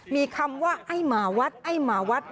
มีคำว่าไอ้หมาวัดไอ้หมาวัด